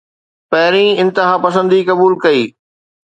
پهرين انتهاپسندي قبول ڪئي.